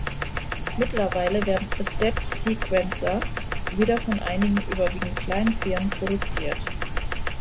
Mittlerweile werden Step-Sequenzer wieder von einigen, überwiegend kleinen Firmen produziert.